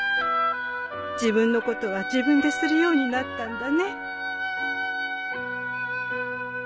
自分のことは自分でするようになったんだね。